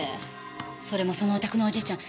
それもそのお宅のおじいちゃん